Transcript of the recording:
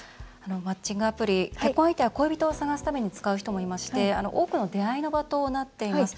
マッチングアプリ結婚相手や恋人を探すために使う人もいまして多くの出会いの場となっています。